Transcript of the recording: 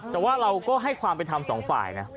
แต่ว่าเราก็ให้ความไปทำ๒ฝ่าย